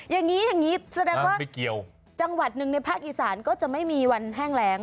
อย่างนี้อย่างนี้แสดงว่าจังหวัดหนึ่งในภาคอีสานก็จะไม่มีวันแห้งแรง